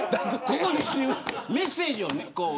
ここにメッセージをね。